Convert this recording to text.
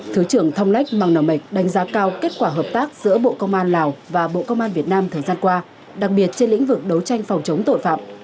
thứ trưởng thông lách mang đánh giá cao kết quả hợp tác giữa bộ công an lào và bộ công an việt nam thời gian qua đặc biệt trên lĩnh vực đấu tranh phòng chống tội phạm